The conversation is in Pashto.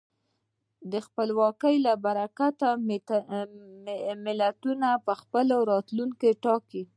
د خپلواکۍ له برکته ملتونه خپل راتلونکی ټاکي.